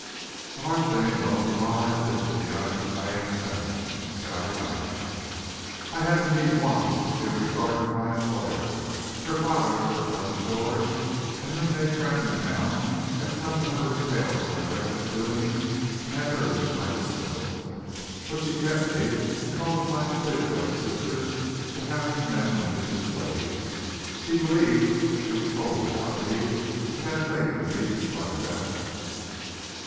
The hard thing was the lie I lived in the eyes of Diane Sampson and Sally Langdon. I had indeed won the sincere regard of my employer. Her father, her cousin George, and new made friends in town had come to her with tales of my reckless doings, and had urged my dismissal. But she kept me and all the time pleaded like a sister to have me mend my vicious ways. She believed what she was told about me, but had faith in me despite that.